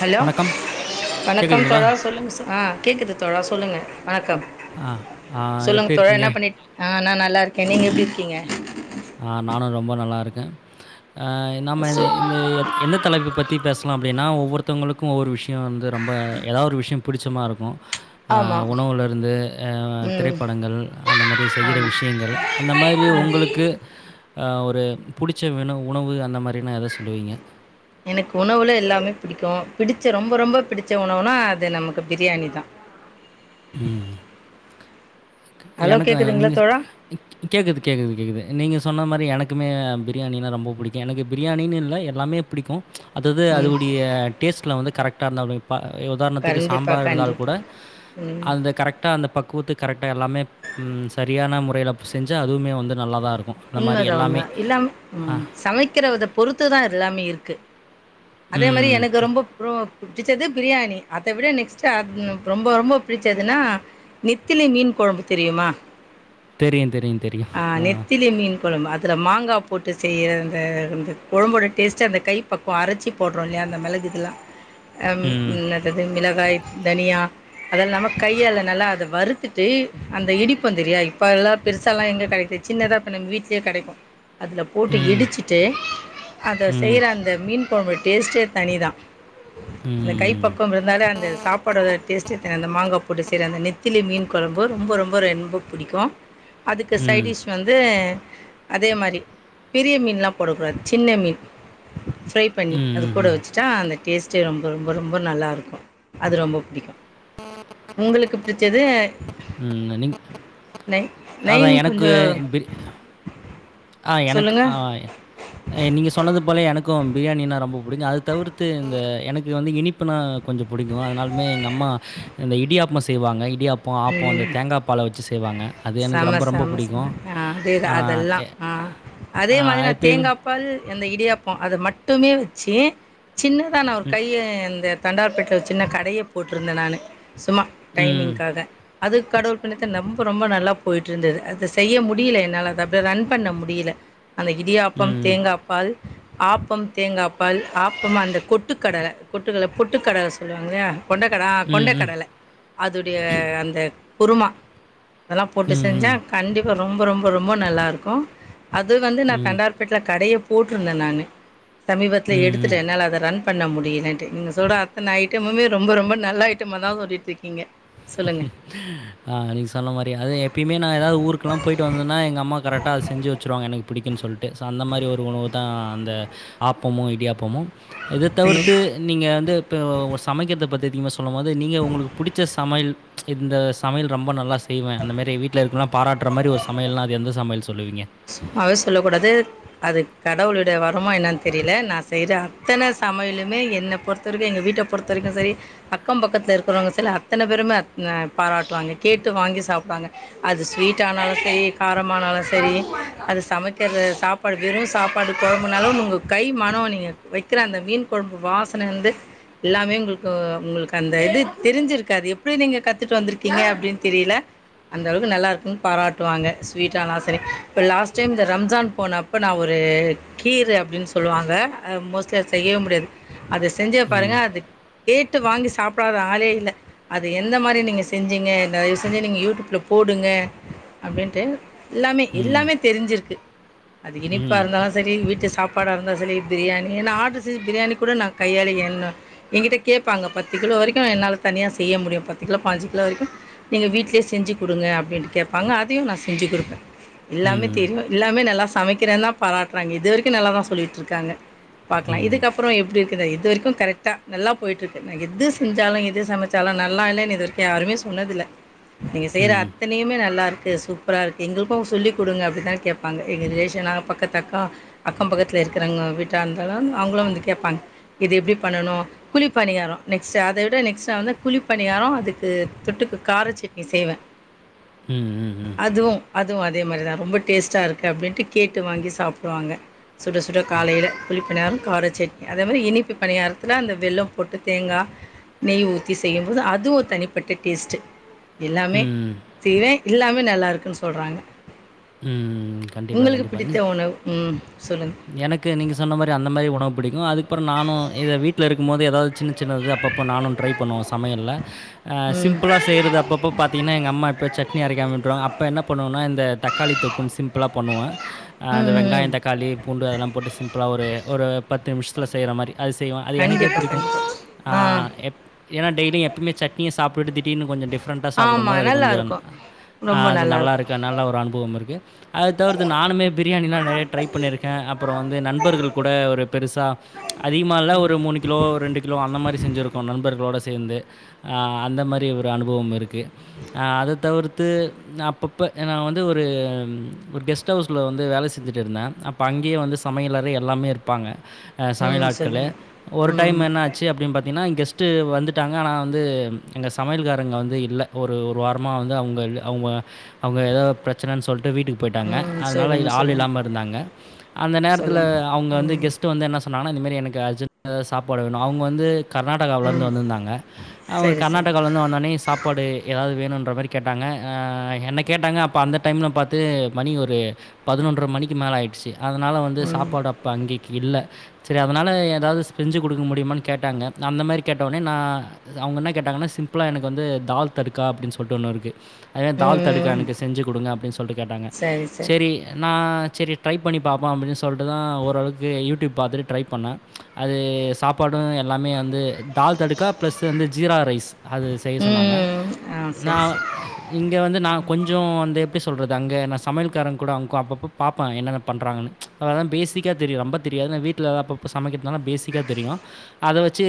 Hello வணக்கம் வணக்கம் கேட்குதுங்களா தோழா சொல்லுங் ஹ கேட்குது தோழா சொல்லுங்க வணக்கம் ஆ ஆ, சொல்லுங்க எப்படி தோழா இருக்கீங்க என்ன பண்ணிட்டு இ நான் நல்லா இருக்கேன் நீங்க எப்டி இருக்கீங்க நா நானும் ரொம்ப நல்லா இருக்கேன் ஹ என்ன சு மாரி இந்த எந்த தலைப்பு பத்தி பேசலாம் அப்படின்னா ஒவ்வொருத்தங்களுக்கு ஒரு விஷ் யம் வந்து ரொம்ப ஏதாவது ஒரு விஷயம் புடிச்சமா இருக்கும் ஹ ஆமா உணவுலருந்து ஹ ம் திரைப்படங்கள் அந்த மாரி செய்ற ஆமா விஷயங்கள் அந்த மாரி உங்களுக்கு ஆஹ் ஒரு புடிச்ச வினவு உணவு அந்த மாதிரி நா எத சொல்லுவீங்க எனக்கு உணவுல எல்லாமே பிடிக்கும் பிடிச்ச ரொம்ப ரொம்ப பிடிச்ச உணவுனா அது நமக்கு பிரியாணி தான் உம் ஹலோ எனக்கு கேக்குதுங்களா நீங்க தோழா கேக்குது கேக்குது கேக்குது நீங்க சொன்ன மாரி எனக்குமே பிரியாணி நா ரொம்ப புடிக்கும் எனக்கு பிரியாணின்னு இல்லை எல்லாமே புடிக்கும் அது அது ம் அதுடைய டேஸ்ட்ல வந்து கரெக்ட் டார்ந்தங்க ப உதாரணத்துக்கு கண்டிப்பா சாம்பார் இருந்தால் கூட கண்டிப்பா ம் அந்த கரெக்டா அந்த பக்க கூத்து கரெக்டா எல்லாமே ம் சரியான முறையில செஞ்சு அதுவுமே வந்து நல்லா தான் இருக்கும். அந்த மாரி உண்மதான்ங்க எல்லாமே. இல்லாம ஆ, உம் சமைக்கிற வித பொறுத்துதான் எல்லாமே இருக்கு அதே மாதிரி ம். எனக்கு ரொம்ப ப்ரோ பிடிச்சது பிரியாணி அதை விட நெக்ஸ்ட்ட் அ ரொம்ப ரொம்ப பிடிச்சதுன்னா நெத்திலி மீன் குழம்பு தெரியுமா தெரியும், தெரியும், தெரியும். ஆஹ் ஆ. நெத்திலிய மீன் குழம்பு அதுல மாங்காப் போட்டு செய்ற அந்த அந்த கொழம்போட டேஸ்ட்டு அந்த கை பக்கவம் அரைச்சி போடுறோம்ல அந்த மிளகு இதலாம் அப் ம். அது என்னது மில லய்க்‌ தனியா அதெல்லம கைய நல்லா அத வறுத்துட்டு அந்த இடிப்போ தெரியா இப்ப எல்லாம் பெருசா எல்லாம் எங்க கிடைக்குது சின்னதா இப்ப நம்ம வீட்லயே கிடைக்கும் அதல போட்டு ம். இடிச்சுட்டு அத ம். செய்ற அந்த மீன் பமே டேஸ்ட்டே தனிதான் அந்த ம். கைப்பக்கம் இருந்தாலே அந்த சாப்பாடோட டேஸ்ட் ஆ அந்த மாங்கா போட்டு செய்ர அந்த நெத்திலி மீன் குழம்பு ரொம்ப ரொம்ப ரொம்ப புடிக்கு அதுக்கு ம். ம். சைடிஷ் வந்து அதே மாரி பெரிய மீன்லாம் போடக்‌ கூடாது சின்ன மீன் ஃப்ரை பண்ணி அது கூட ம். வச்சுிட்டா அந்த டேஸ்ட்டே ரொம்ப ரொம்ப ரொம்ப நல்லாருக்கு அது ரொம்ப புடிக்கு உங்களுக்கு புடிச் எது ம் நநிங்‌ அதா நைன் எனக்கு கொஞ்சம் ஆ எனக்கு ஆ சொல்லுங்கள் நீங்க சொன்னது போல எனக்கு பிரியாணின்னா ரொம்ப பிடிக்கும் அத தவிர்த்து இந்த எனக்கு வந்து இனிப்புனா கொஞ்சம் புடிக்கும் அதனாமே எங்க அம்மா இந்த இடியாப்பமா செய்வாங்க இடியா பம் ஆப்போ அந்த ம் தேங்கா பால வச்சு வசு செய்வாங்க அது எனக்கு செம ரொம்ப ரொம்ப செம செம பிடிக்கும். ஆ அதேத ஆ அதெல்லா எ ஆ அதே ஆ மாரி நான் எப்பயும் தேங்காப்பால் எந்த இடியாப்பம் அது மட்டுமே வச்சு சின்னதா நான் ஒரு ம், கைய இந்த தண்டார்பெட்ல சின்ன கடைய போட்ருந்தன் நானு சும்மா ம், டைமிங்க்காக அது கடவுள் பிண்ணத்த நம்ப ரொம்ப நல்லா போயிட்டு இருந்துது அத செய்ய முடில என்னால அத அப்புற ரன் பண்ண முடில அந்த இடியாப்பம் ம், தேங்காப்பால் ஆப்பம் தேங்காப்பால் ஆப்பம் அந்த கொட்டுக்கடல கொட்டுக்கடல பொட்டுக்கடல சொல்லுவாங்கள கொண்டகடா ஆ ம், ம், ம், கொண்டக்கடல அதுடைய அந்த குருமா போட்டு செஞ்சா ம், கண்டிப்பா ரொம்ப ரொம்ப ரொம்ப நல்லா ருக்கு அது வந்து நா ம், தண்டார்பேட்ல கடையேய் போட்ருந்த நானு சமீபத்துல ம், ம். எடுத்துட்டே என்னால அத ரன் பண்ண முடியலன்ட்டு நீங்க சொல்ற அத்தன ஐட்டமுமே ரொம்ப ரொம்ப நல்ல ஐட்டம தா சொல்லிட் ருக்கீங்க ஆஹ் நீங்க சொன்ன மாரிய அது எ எப்பயுமே நா எதாது ஊருக்கெல்லா போயிட்டு வந்தன்னா எங்க அம்மா கரெட்ட அது செஞ்சுவச்சுருவாங்க எனக் பிடிக்குன் சொல்ட்டு ஸ அந்த மாரி ஒரு உணவு தா அந்த ஆப்பமு இடியாப்பமு இத தவிர்த்து நீங்க வந்து இப்ப ஒ சமைக்றது பத்தி நீங்க வந் சொல்லும்போது நீங்க உங்களுக்கு புடிச்ச இந்த சமையல் ரொம்ப நல்லா ச செய்வே அந்தமாரி வீட்ல இருக்கவர்லா பாராட்டுற மாரி ஒரு சமயல்னா அது எந்த சமயல் சொல்லுவீங்க சும்மாவே சொல்லக்கூடாது அது கடவுளுடய வரமா என்னன் தெரியல நா செய்ற அத்தன சமயலுமே என்ன பொறுத்த வரைக்கு எங்க வீட்ட பொறுத்த வரைக்கு சரி அக்கம் பக்கத்திலருக்கிறவங்க சரி அத்தன பேருமே ந பாராட்டுவாங்க கேட்டு வாங்கி சாப்டுவாங்க அது ஸ்வீட்டா னாலு சரி காரமானாலு சரி அது சமைக்கிறது சாப்பாடு வெறு சாப்பாடு கொழம்புனாலு உங்க கை மனோ நீங்க வக்கிற அந்த மீன் கொழம்பு வாசன ந்து எல்லாமே உங்களுக்கு உங்களுக்கு அந்த இது தெரிஞ்சிருக்காது எப்படி நீங்க கத்துட்டு வந்திருக்கீங்க அப்டின்னு தெரியல அந்தளவுக்கு நல்லா இருக்குன் பாராட்டுவாங்க ஸ்வீட்டானாலு சரி இப்போ லாஸ்ட் ஸ்ட டைம் இந்த ரம்ஜான் போனப்போ நா ஒரு கீர் அப்படின்னு சொல்லுவாங்க அ மோஸ்ட்லி அத செய்யவே முடியாது அத செஞ்ச பாருங்க ம். அத கேட்டு வாங்கி சாப்பிடாத ஆளே இல்ல அது எந்த மாரி நீங்க செஞ்சிங்க தயவ் செஞ்சு நீங்க யூடியூப்பில போடுங்க அப்டின்ட்டு எல்லாமே ம். எல்லாமே க்கு அது ம். இனிப்பாருந்தாலு சரி வீட்டு சாப்பாடா இருந்தா சரி பிரியாணி ஏன்ன ஆர்ட்ரு செஞ்சு பிரியாணி கூட நான் கையால என்ன எங்க்கிட்ட கேடப்பாங்க பத்து கிலோ வரைக்கு என்னால தனியா செய்ய முடியு பத்து கிலோ பாஞ்சு கிலோ வரைக்கு நீங்க வீட்லயே செஞ்சு குடுங்க அப்டின்ட்டு கேடப்பாங்க அதையு நா செஞ்சு குடுப்ப எல்லாமே ம். தெரியு எல்லாமே நல்லா சமக்கிறேன் தா பாராட்டுறாங்க இது வரக்கு நல்லா தா சொல்லிகிட்டுருக்காங்க பாக்கலா ம். இதுக்கப்பறொ எப்டி இருக்குது இது வரைக்கு கரெட்டா நல்லா போய்ட்ருக்கு நா எது செஞ்சாலு எது சமைச்சாலு நல்லா இல்லன்னு இது வரக்கு யாருமே சொன்னதில்ல நீங்க செய்ற ம். ம். அத்தனையுமே நல்லாருக்கு சூப்பரா இருக்கு எங்களுக்கு சொல்லி குடுங்க அப் என்னனு கேப்பாங்க எங்க ரிலேசனான பக்கத்தக்கா அக்கம்பக்கத்ல இருக்க வீட்டால்கலா அவுகளு வந்து கேப்பாங்க இது எப்டி ண்ணனு குழிப்பணியாரோ நெக்ஸ் அதது நெக்ஸ்ந்து குழி பணியாரோ அதுக்கு தொட்டுக்க கார சட்னி செய்வ ம். ம். அதுவு அதுவு அதே மாரி தா ரொம்ப டேஸ்ட்டா ருக்கு அப்டின்ட்டு கேட்டு வாங்கி சாப்டுவாங்க சுட சுட காலையில குழி பணியாரோ கார சட்னி அதே மாரி இனிப்பு பணியாரத்துல அந்த வெள்ளம் போட்டு தேங்கா நெய் ஊத்தி செய்யும்போது அதுவு தனிப்பட்ட டேஸ்ட்டு எல்லாமே ம். செய்வே எல்லாமே நல்லாருக்குன்னு சொல்றாங்க ம். கண்டிப்பா கண்டிப்பா அலிஸ் ம் சொல்லுங்கள் எனக்கு நீங்க சொன்ன மாரி அந்த மாரி உணவு புடிக்கும் அதுக்கப்பற நானு எ வீட்டல இருக்கும் போது ஏதாவது சின்னது அப்பப்போ நானு ட்ரை பண்ணுவ சா சமையல்ல அ ம் சிம்பிளா செய்றது அப்பப்போ பாத்தீங்ன்னா எங்கம்மா இப்போ சட்னிஅரைக்காம விட்ருவாங்க அப்போ என்ன பண்ணுவுனா இந்த தக்காளி தொக்குன் பண்ணுவோ அந்த ம் வெங்காய ம் தக்காளி பூண்டு அதெல்லாம் போட்டு சிம்பிளா ஒரு ஒரு பத்து நிமிஷத்ல செய்ற மாரி அது செய்வோ அது எனக்கே கண்டிப்பாக புடிக்கும் கண்டிப்பாக ஆ எப் ஏன்னா டெய்லியு எப்பமே சட் நீங்க சாப்புட்டு திடீர்னு கொஞ்ச டிப் ஃப்ரெண்டா சாப்டும் போது ஆமாம் அது கொஞ்ச நல்லாயிருக்கும் ரொம்ப ஆஹ் அது நல்லாயிருக்கும் நல்லாருக்கு நல்லா ஒரு அனுபவருக்கு அத தவிர்த்து நானுமே பிரியாணிலா நெறையா ட்ரை பண்ணியிருக்க அப்புறோ வந்து நண்பர்கள் கூட ஒரு பெருசா அதிகமாக இல்ல ஒரு மூணு கிலோ ரெண்டு கிலோ அந்த மாரி செஞ்சிருக்கோ நண்பர்களோடு சேந்து ஆஹ் அந்த மாரி ஒரு அனுபவம் இரு இரு ஆஹ் அத தவிர்த் த்து அப்பப்ப நா வந்து ஒரு ஒரு கெஸ்ட் ஹவுஸ்ல வந்து வேல செஞ்சுட்டு இருந்தேன் அப்ப அங்கேயே வந்து சமையலற எல்லாமே இருப்பாங்க சமையல் ம் ஆட்களும் சொல்லுங்கள் ஒரு டைம் ம் என்ன ஆச்சு அப்டின்னு பாத்தீங்கன்னா இங்க ஸ்ட்டு வந்துட்டாங்க ஆனா வந்து எங்க சமையல்காரங்க வந்து இல்ல ஒரு ஒரு வாரமா வந்து அவங்க இல்ல அவங்க அவங்க எதோ பிரச்சன சொல்டு வீட்டுக்கு போயிட்டாங்க ம் அதனால சொல்லுங்கள் ஆள் சொல்லுங்கள் இல்லாம இருந்தாங்க அந்த நேரத்துல சொல்லுங்க அவங்க வந்து ம் கெஸ்ட் வந்து என்ன சொ ன்னான இந்தமாரி எனக்கு அர்ஜெண்டா சாப்பாடு வேணு அவங்க வந்து கர்நாடகாவிலருந்து ம் வந்திருந்தாங்க அவங்க சரி சரி கர்நாடகாவிலருந்து வந்தோனே சாப்பாடு எதா வேணு மாரி கேட்டாங்க என்ன கேட்டாங்க அப்ப அந்த டைம்ல பாத்து மணி ஒரு பதினொன்ற மணிக்கு மேல ஆயிடுச்சு அதனால வந்து ம் சாப்பாடு அப்ப அங்கேக்கு இல்ல செரி அதனால எதாது ஸ்செஞ்சு குடுக்க முடியுமானு கேட்டாங்க அந்த மாரி கேட்டோனே நா அவங்க என்ன கேட்டாங்கன்னா சிம்பிளா எனக்கு வந்து தால் தடுகா அப்டின்னு சொல்டு ஒன்னு இருக்கு [unintelligible] தால் தடுக்கா ம் எனக்கு செஞ்சு குடுங்க அப்டின்னு சொல்டு கேட்டாங்க சரி சரி சேரி நா சேரி ட்ரை பண்ணி பாப்போ அப்டின்னு சொல்டு தா ஓரளவுக்கு யூடூப் பாத்துட்டு ட்ரை பண்ண அது சாப்பாடு எல்லாமே வந்து தால் தடுக்கா ப்ளஸ் வந்து ஜீரா ரைஸ் அது செய்ய சொன்னாங்க ம் ஆ நா சரி சரி இங்க வந்து நா கொஞ்சோ அந்த எப்டி சொல்றது அங்க என்ன சொ சமையல்காரன் கூட அவங்கு அப்பப்போ பாப்பாங்க என்னென்ன பண்ணுறாங்கன்னு அததா பேசிக்காக தெரியு ரொம்ப தெரியாது நா வீட்ல அப்பப்போ சமைக்கிறதுனால பேசிக்காக தெரியு அத வச்சி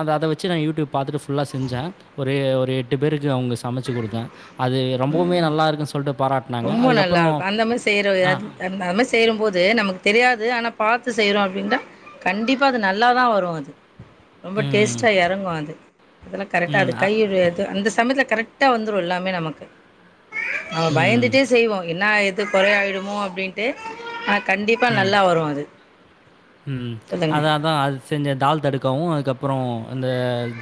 அத அத வச்சி நா யூடியூப் பாத்துட்டு ஃபுல்லா செஞ்ச ஒரு ஒரு எட்டு பேருக்கு அவங்க சமச்சு குடுத்த அது ரொம்பவுமே நல்லா இருக்குன்னு சொல்டு பாராட்டுனாங்க அதுக்கப்ப நல்லா இருக்கு அந்த மாரி செய்யற [inaudible] அந் மாரி செய்யும்போது நமக்கு தெரியாது ஆனா பார் த்து செய்றோ அப்டின்னா கண்டிப்பாக அது நல்லா தா வரும் அது ரொம்ப ம் டேஸ்ட்டா எறங்கும் அது அதெல்லாம் கரெக்டா ம். அது அ கைறு இது அந்த சமயத்துல கரெக் கிட்ட வந்துரும் எல்லாமே நமக்கு அவ ம். பயந்துட்டே செய்வோம் என்ன ஆயி அது கொறை ஆயிடுமோ அப்டின்ட்டு அத் கண்டிப்பா நல்லா வரும் அது உம் சொல்லுங்க அதா அதான் அது செஞ்ச தால் தடு க்கவு அதுக்கப்றோம் இந்த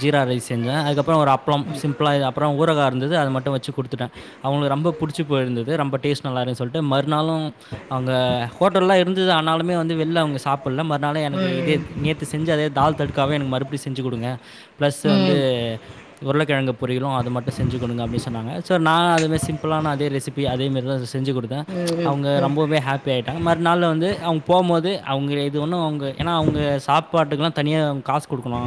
ஜீரா ரைஸ் செஞ்சேன் அதுக்கப் அப்றோ ஒரு அப்ளோம் சிம்பிளா து அப்றோ ஊறுகா இருந்தது அத மட்டும் வச்சி குடுத்துட்டேன். அவங்ளுக்கு ரொம்ப புடிச்சி போயிருந்தது ரொம்ப டேஸ்ட் நல்லா இருக்கு சொல்ட்டு மறுநாளும் அவங்க ஹோட்டல்லாம் இருந்தது ஆனாலுமே வந்து வெள்ல அவங்க சாப் உள்ள மத் நானும் எனக்கு இதே ம் நேத்து செஞ்ச அதே தால் தடுக்க காவே எனக்கு மறுபடி செஞ்சு குடுங்க ப்ளஸ்ஸு வந்து ம் உருளைக்கிழங்கு பொறிகளும் அத மட்டும் செஞ்சு குடுங்க அப்படின்னு சொன்னாங்க ஸோ நா அதுமாரி சிம்பிளான அதே ரெசிபி இப்பயும் அதே மாரிதான் ரெசி செஞ்சு குடுத்தேன் ம் ம் அவங்க ம் ரொம்பவே ஹேப்பி ஆகிட்டாங்க. மறுநாள் வந்து அவங்க போகும் போது அவங்களே இது ஒண்ணும் அவங்க ஏன்னா அவங்க சாப்பாட்டுக்கெல்லாம் தனியா காஸ் குடுக்கணு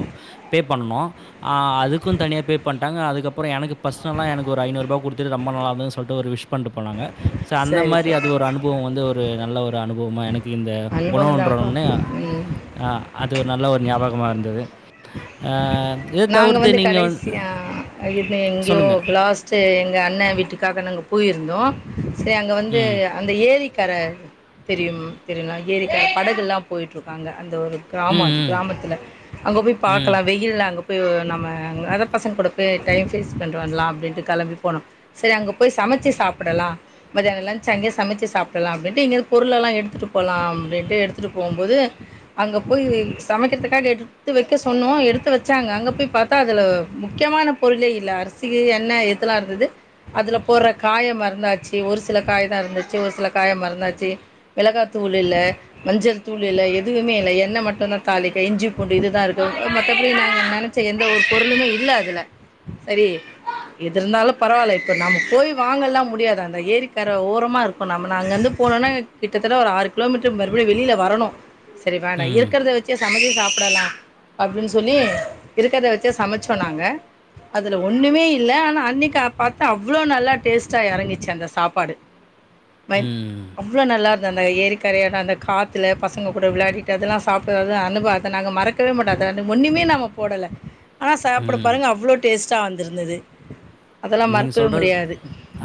பே பண்ணணு ஆ அதுக்கு தனியா பே பண்ட்டாங்க அதுக்கப்பறோ எனக்கு பர்சனலா எனக்கு ஒரு ஐநூர்ரூபா குடுத்துட்டு ரெம்ப நல்லாருந்துதுனு சொல்ட்டு ஒரு விஷ் பண்ணிட்டு போனாங்க சோ அந்த சரி மாரி சரி அது ஒரு அனுபவோ வந்து ஒரு நல்ல ஒரு அனு பவமா எனக் கு இந்த உணவு அனுபவம் ன்ற தான்ப்பா உட்னே ம் அ அது ஒரு நல்ல ஒரு ஞாபகமா இருந்தது அ இத நாங்க தவிர்த்து வந்து நீங்க வந் கடைசியா [inaudible] எங்கியோ சொல்லுங்கள் லாஸ்ட்டு எங்க அண்ண வீட்டுக்காக நாங்க போயிருந்தோ சேர் அங்க வந்து ம் அந்த ஏரி கர தெரியும் தெரியுங்ளா ஏரி கர படகெல்லா போய்ட்ருக்கு அங்க அந்த ஒரு கிராமோ அது ம் கிராமத்துல அங்க போய் ம் பா ம் இல்ல அங்க போய் ஒ நம்ம அங்க அதா பசங்கூட போய் டைம் ஃபேஸ் பண்ட்டு வரலா அப்டின்ட்டு கெளம்பி போனோ சேரி அங்க போய் சமச்சு சாப்பிடலா மத்யானோ லன்ச்சு அங்கயே சமச்சு சாப்பிட்லா அப்டின்ட்டு இங்கிருக் பொருளெல்லா எடுத்துட்டு போலா அப்டின்ட்டு எடுத்துட்டு போம்போது அங்க போய் சமைக்கறதுக்காண்டி எடுத்து வெக்க சொன்னோ எடுத்து வெச்சாங்க அங்க போய் பாத்தா அதுல முக்கியமான பொருளே இல்ல அரிசிக்கு எண்ண எதுல்லா இருந்தது அதுல போட்ற காய மறந்தாச்சு ஒரு சில காய் தா இருந்துச்சு ஒரு சில காய மறந்தாச்சு மிளகா தூள் இல்ல மஞ்ச தூள் இல்ல எதுவுமே இல்ல எண்ண மட்டுந்தா தாளிக்க இஞ்சி பூண்டு இது தா இருக் கு அ மத்தபடி நாங்க நெனச்ச எந்த ஒரு பொருளுமே இல்ல அதுல சரி எது இருந்தாலு பரவால்ல இப்ப நம்ம போய் வாங்கல்லா முடியாது அந்த ஏரிக்கர ஓரமா இருக்கோ நம்ம நா அங்கர்ந்து போனுன்னா எங் கிட்டத்தட்ட ஒரு ஆறு கிலோமீட்டர் மறுபடியு வெளில வரணு சரி வேண்டா ம் இருக்கறத வெச்சே [inaudible] சாப்பிடலா அப்டின் சொல்லி இருக்கற்த வெச்சே சமச்சோ நாங்க அதுல ஒன்னுமே இல்ல ஆனா அன்னிக்கு அ பாத்தா அவ்ளோ நல்லா டேஸ்ட்டா எறங்கிச்சு அந்த சாப்பாடு வை ம் அவ்வளோ நல்லார் அந்த ஏரிக்கரையட அந்த காத்துல பசங்க கூட விளையாட்டு அதெல்லாம் சாப்டது அனுபவ அத நாங்க மறக்கவே மாட்டோம் டா ஒன்னுமே நம்ம போடல ஆனா சாப்படு ம் பாருங்க அவ்ளோ டேஸ்டா வந் இருந்துது நீங்க சொல்றது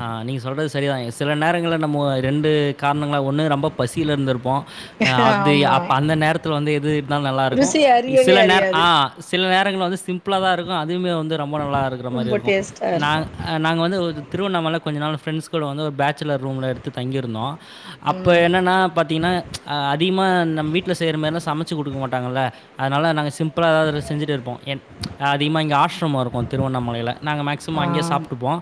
அ நீங்க சொல்றது சரிதான் சில நேர நேரங்கள நம்ம ரெண்டு காரணங்கள ஒன்னு ரொம்ப பசியில இருந்துருப்போம் அ அது ஆமா அப் அந்த நேரத்தில வந்து எது இருந்த நல்லா இருக்கும் ருசி அறியவே சில நேர அறியாது ஆ சில நேர [unintelligible] சிம்பிளா தான் இருக்கும் அதுமே வந்து ரொம்ப நல்லா இருக்கிற மாரி ரொம்ப இருக்கும் டேஸ்ட்டா நா இருக்கு அ நாங்க வந்து ஒரு திருவண்ணாமலை கொஞ்ச நாள் பிரெண்ட்ஸ் கூட வந்து ஒரு பேச் சுலர் ரூம்ல எடுத்து தங்கிருந்தோம் அப்ப ம் என்னன்னா பாத்தீங்கன்னா அதிகமா நம் வீட்ல செய்ற மாறிலாம் சமைச்சு குடுக்க மாட் மாட்டாங்கள அதனால நாங்க சிம் பிளா ஏதாவது செஞ்சிட்டு இருப்போம் என் அதிகமாக இங்கே ஆஸ்சிரமம் இருக்கும் திருவண்ணாமலையில் நாங்க மேக்ஸ் வாங்கே ஆ சாப்ட்டுப்போ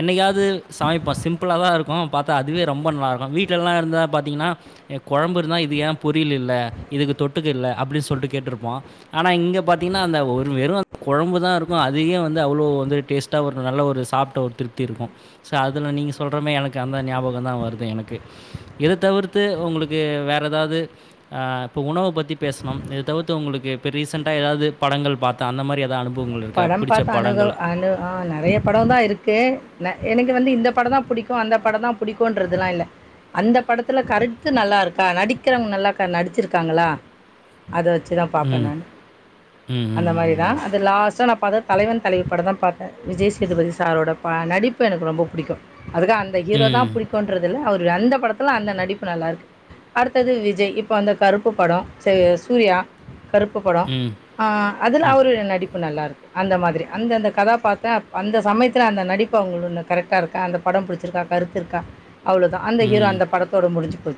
என்னைக்காவது சமைப்போ சிம்பிளதா இருக்கு பாத்தா அதுவே ரொம்ப நல்லா இருக்கு வீட்டலல்லா இருந்தா பாத்திங்கனா எ கொழம்பு இருந்தா இது ஏ பொரியல் இல்ல இதுக்கு தொட்டுக்க இல்ல அப்படி சொல்ல கேட்டிருப்போ ஆனா இங்க பாத்திங்கனா அந்த ஒரு வெறு கொழம்புதா இருக்கு அதிக வந்து அவ்ளோ வந டேஸ் ஒரு நல்ல ஒரு சாப்ட்ட ஒரு திருப்தி இருக்கும் சோ அதுல நீங்க சொல்றமே எனக்கு அந்த ஞாபகம் தா வருது எனக்கு இத தவிர்த்து உங்களுக்கு வேற ஏதாவது ஆஹ் இப்ப உணவ பத்தி பேசணு தவிர்த்து உங்களுக்கு இப்ப ரீசன்டா ஏதாவது படங்கள் பாத்த அந்த மாதிரி எதா அனு படம் பார்த்த அனுக அனு ஆஹ் நெறைய படம் தா இருக்கு எனக்கு வந்து இந்த பட தா புடிக்கு அந்த பட தான் புடிக்கும்ன்றதுலா இல்ல அந்த படத்துல கருத்து நல்லா இருக்கா நடிக்கிறவங்க க நல்லா நடிச்சிருக்காங்களா அத வச்சு வச்சு தா பாப்பே ம். நானு ம். அந்த மாரிதா ம். அது லாஸ் பாத்த தலைவன் தலைவி படந்தா பாத்தே விஜய் சேதுபதி சாரோட ப நடிப்பு எனக்கு ரொம்ப புடிக்கு அதுக்க அந்த ஹீரோதா ம். புடிக்கன்றதுல்ல அவர் அந்த படத்துல அந்த நடிப்பு நல்லாருக்கு அடுத்தது விஜய் இப்ப வந்த கருப்பு பட ச சூர்யா கருப்பு படோ ம். ஆஹ் அதுல ம். அவரு நடிப்பு நல்லாருக்கு அந்த மாதிரி அந்தந்த கதா பாத்த அந்த சமயத்துல அந்த நடிப்பு அவங்க ஒன்ன கரெக்டா இருக்கா அந்த பட புடிச்சிருக்கா கருத்துருக்கா அவ்வளதா அந்த ஹீரோ ம். அந்த படத்தோட முடிஞ்சு போ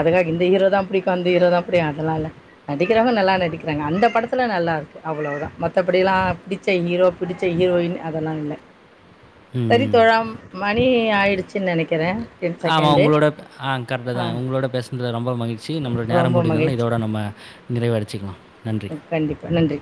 அதுக்காக இந்த ஹீரோதா புடிக்கு அந்த ஹீரோதா புடி அதெல்லா இல்ல நடிக்கிறங்க நல்லா நடிக்கிறாங்க அந்த படத்துல நல்லாருக்கு அவ்ளவுதா ம மத்தபடியலா பிடிச்ச ஹீரோ பிடிச்ச ஹீரோயின் அதெல்லா இல்ல ம். சரித்தோழாம் ம நீ ஆயிடுச்சுன்னு நெனைக்கிறே ஆமா உங்களோட ஆ கரெக்ட்டுதா உங்களோட பேசுனது ரொம்ப மகிழ்ச்சி நம்மளட நேர ரொம்ப முடிந்தது இதோட நம்ம நிறைவடைச்சிக்கலா கண்டிப்பா நன்றி